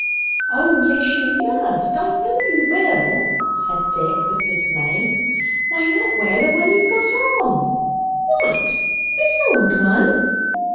"O yes, you must; I know you will!" said Dick, with dismay. "Why not wear what you've got on?" "What! this old one!